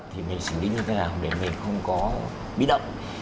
thì mình xử lý như thế nào để mình không có bí động